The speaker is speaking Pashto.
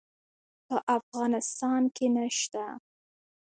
په افغانستان کې نشته